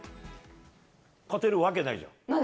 勝てるわけないじゃん。